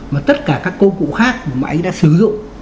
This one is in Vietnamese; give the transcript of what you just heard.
mà tất cả các công cụ khác mà anh ấy đã sử dụng